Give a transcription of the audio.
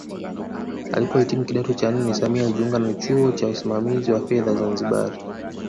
Alipohitimu kidato cha nne Samia alijiunga na chuo cha usimamizi wa fedha Zanzibari